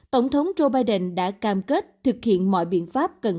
tổng thống joe biden đã cam kết thực hiện mọi biện pháp cần